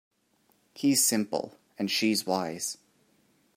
He's simple and she's wise.